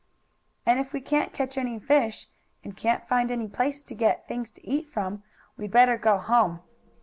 "And if we can't catch any fish, and can't find any place to get things to eat from, we'd better go home."